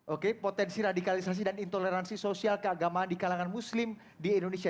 oke potensi radikalisasi dan intoleransi sosial keagamaan di kalangan muslim di indonesia